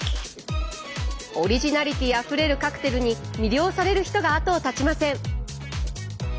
オリジナリティーあふれるカクテルに魅了される人が後を絶ちません。